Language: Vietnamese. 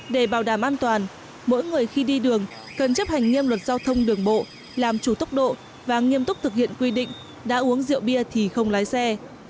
để bảo đảm an toàn mỗi người khi đi đường cần chấp hành nghiêm luật giao thông đường bộ làm chủ tốc độ và nghiêm túc thực hiện quy định đã uống rượu bia thì không lái xe